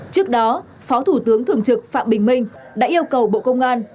trước đó phó thủ tướng thường trực phạm bình minh đã yêu cầu bộ công an